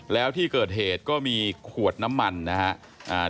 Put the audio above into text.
แล้วที่เกิดเหตุก็มีขวดน้ำมันนะครับ